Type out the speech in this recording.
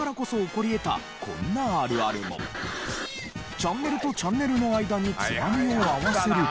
チャンネルとチャンネルの間につまみを合わせると。